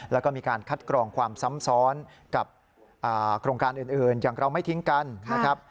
แล้วก็มีการคัดกรองความซ้ำซ้อนกับโครงการอื่นอย่างเราไม่ทิ้งกันนะครับ